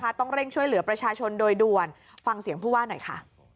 ต้องเร่งช่วยเหลือประชาชนโดยด่วนฟังเสียงผู้ว่าหน่อยค่ะ